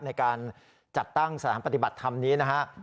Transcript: ในการจัดตั้งสถานปฏิบัติธรรมนี้นะฮะ